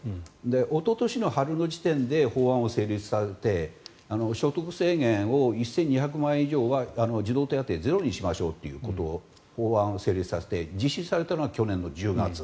おととしの春の時点で法案を成立させて所得制限を１２００万円以上は児童手当をゼロにしましょうという法案を成立させて実施されたのが去年１０月。